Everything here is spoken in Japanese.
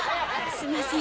すんません。